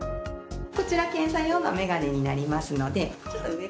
こちら検査用の眼鏡になりますので。